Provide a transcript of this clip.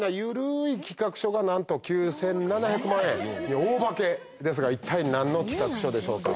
がなんと９７００万円に大化けですが一体何の企画書でしょうか？